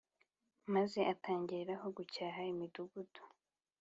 Maze atangiriraho gucyaha imidugudu